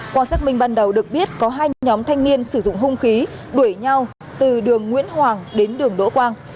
qua xác minh ban đầu được biết có hai nhóm thanh niên sử dụng hung khí đuổi nhau từ đường nguyễn hoàng đến đường đỗ quang